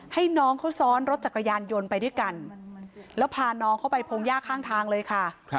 ให้น้องเขาซ้อนรถจักรยานยนต์ไปด้วยกันแล้วพาน้องเข้าไปพงหญ้าข้างทางเลยค่ะ